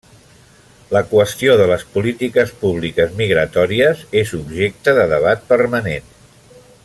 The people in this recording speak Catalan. La qüestió de les polítiques públiques migratòries és objecte de debat permanent.